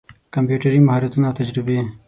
کمپيوټري مهارتونه او تجربې